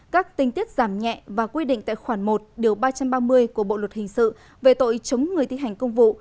các tình tiết giảm nhẹ và quy định tại khoản một điều ba trăm ba mươi của bộ luật hình sự về tội chống người thi hành công vụ